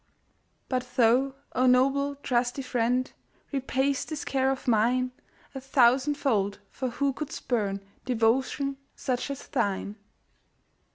But thou, oh, noble, trusty friend, Repay'st this care of mine A thousand fold, for who could spurn Devotion such as thine?